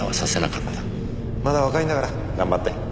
まだ若いんだから頑張って。